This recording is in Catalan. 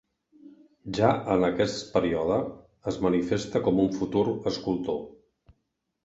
Ja en aquest període es manifesta com un futur escultor.